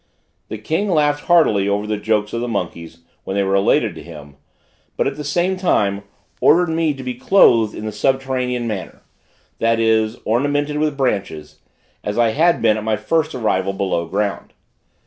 The king laughed heartily over the jokes of the monkeys, when they were related to him, but at the same time, ordered me to be clothed in the subterranean manner; that is, ornamented with branches, as I had been at my first arrival below ground.